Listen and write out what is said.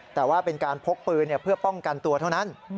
แต่ว่าเป็นการพกปืนเพื่อป้องกันตัวเท่านั้น